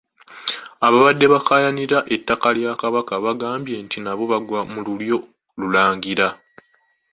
Abaabadde bakaayanira ettaka lya Kabaka baagambye nti nabo bagwa mu lulyo lulangira.